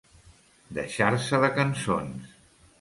Deixar-se de cançons.